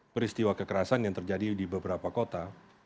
peristiwa kekerasan yang terjadi di beberapa kota